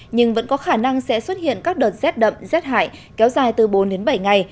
nhưng vẫn có khả năng sẽ xuất hiện các đợt rét đậm rét hại kéo dài từ bốn đến bảy ngày